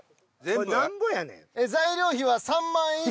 これなんぼやねん？